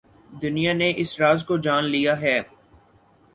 دنیا نے اس راز کو جان لیا ہے۔